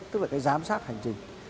tức là cái giám sát hành trình